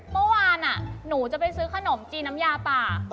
เมื่อวานหนูจะไปซื้อขนมจีนน้ำยาป่า